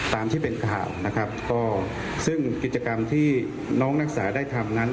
ตามที่เป็นข่าวนะครับก็ซึ่งกิจกรรมที่น้องนักศึกษาได้ทำนั้น